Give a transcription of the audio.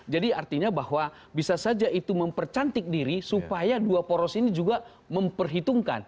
jadi artinya bahwa bisa saja itu mempercantik diri supaya dua poros ini juga memperhitungkan